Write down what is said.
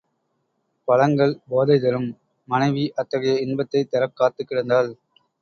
பழங்கள் போதை தரும், மனைவி அத்தகைய இன்பத்தைத் தரக் காத்துக் கிடந்தாள்.